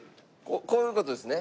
こういう事ですね。